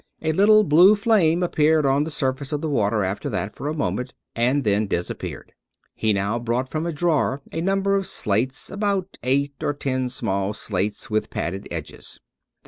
A little blue flame appeared on the surface of the water after that for a moment, and then disappeared. He now brought from a drawer a number of slates — about eight or ten small slates with padded edges.